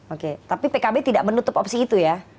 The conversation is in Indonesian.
oke tapi pkb tidak menutup opsi itu ya